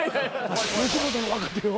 吉本の若手を。